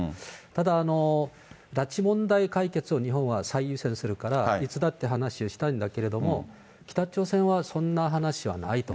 ただ、拉致問題解決を日本は最優先にするから、いつだって話をしたいんだけども、北朝鮮はそんな話はないと。